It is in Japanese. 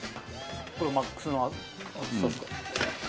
これマックスの厚さですか。